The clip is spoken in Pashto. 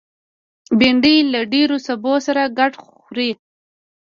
بېنډۍ له ډېرو سبو سره ګډ خوري